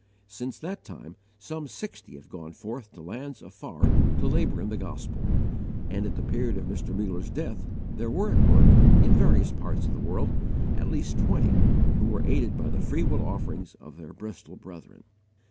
Since that time some sixty have gone forth to lands afar to labour in the gospel, and at the period of Mr. Muller's death there were at work, in various parts of the world, at least twenty, who are aided by the free will offerings of their Bristol brethren.